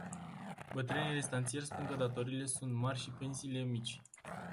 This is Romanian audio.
Bătrânii restanțieri spun că datoriile sunt mari și pensiile mici.